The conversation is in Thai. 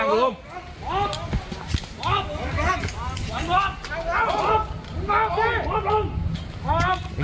เอาหนังมือ